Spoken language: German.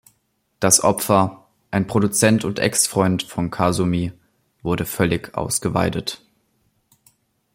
Das Opfer, ein Produzent und Exfreund von Kasumi, wurde völlig ausgeweidet.